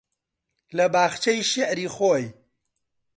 لە باخچەی شێعری خۆی